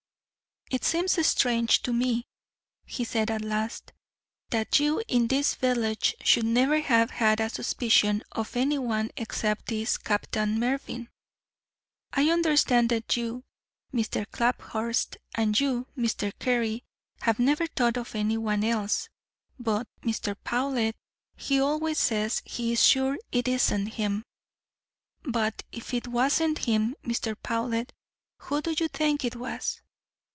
"It seems strange to me," he said at last, "that you in this village should never have had a suspicion of any one except this Captain Mervyn; I understand that you, Mr. Claphurst, and you, Mr. Carey, have never thought of any one else; but Mr. Powlett he always says he is sure it isn't him. But if it wasn't him, Mr. Powlett, who do you think it was?"